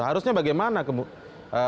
harusnya bagaimana menjalannya